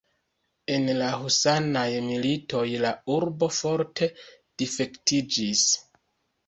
En la husanaj militoj la urbo forte difektiĝis.